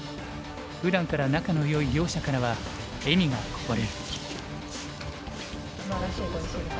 ふだんから仲のよい両者からは笑みがこぼれる。